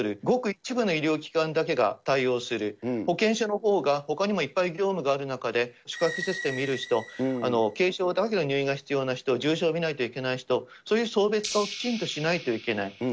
ごく一部の医療機関だけが対応する、保健所のほうがほかにもいっぱい業務がある中で、宿泊施設で診る人、軽症だけど入院が必要な人、重症診ないといけない人、そういう層別をきちんとしないといけない。